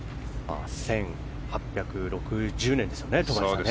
１８６４年ですからね。